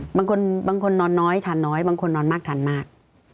บางคนบางคนนอนน้อยทานน้อยบางคนนอนมากทานมาก